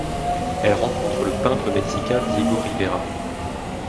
Elle rencontre le peintre mexicain Diego Rivera.